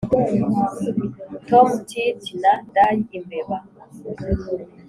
tom tit na dai imbeba!